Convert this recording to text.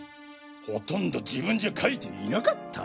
ほとんど自分じゃ書いていなかった！？